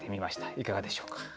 いかがでしょうか？